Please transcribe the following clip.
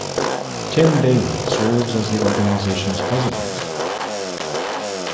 Tim Daly serves as the organization's president.